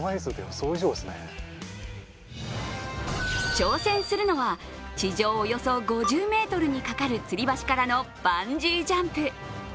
挑戦するのは地上およそ５０ｍにかかるつり橋からのバンジージャンプ。